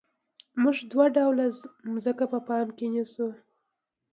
موږ دوه ډوله ځمکه په پام کې نیسو